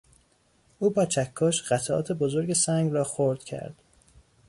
او با چکش قطعات بزرگ سنگ را خرد کرد.